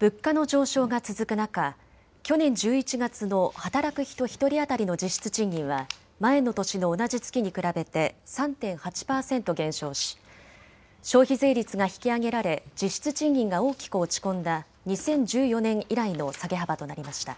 物価の上昇が続く中、去年１１月の働く人１人当たりの実質賃金は前の年の同じ月に比べて３．８％減少し消費税率が引き上げられ実質賃金が大きく落ち込んだ２０１４年以来の下げ幅となりました。